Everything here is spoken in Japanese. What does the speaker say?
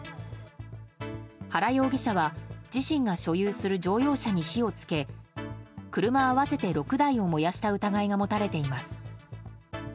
原容疑者は自身が所有する乗用車に火を付け車合わせて６台を燃やした疑いが持たれています。